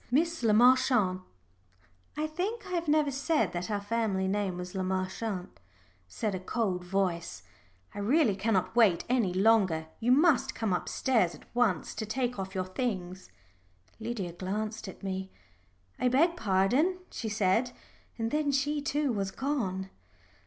"Miss Le Marchant" (I think I have never said that our family name was Le Marchant), said a cold voice, "I really cannot wait any longer; you must come upstairs at once to take off your things." Lydia glanced at me. "I beg pardon," she said; and then she too was gone.